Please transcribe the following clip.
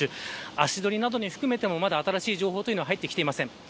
足取りなども含めて、まだ新しい情報は入ってきていません。